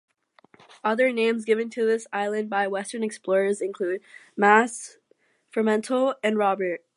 Other names given to this island by Western explorers include "Masse", "Fremantle", and "Robert".